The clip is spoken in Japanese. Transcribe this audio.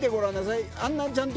あんなちゃんと。